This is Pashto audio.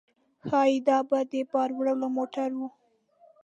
ښايي دا به د بار وړلو موټر و.